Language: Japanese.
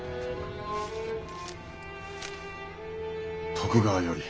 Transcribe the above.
徳川より。